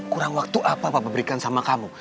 kurang waktu apa bapak berikan sama kamu